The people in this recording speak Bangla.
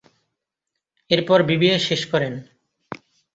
এরপর বিবিএ শেষ করেন।